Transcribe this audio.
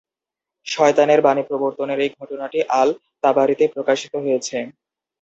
শয়তানের বাণী প্রবর্তনের এই ঘটনাটি আল-তাবারিতে প্রকাশিত হয়েছে।